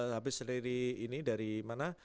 habis dari mana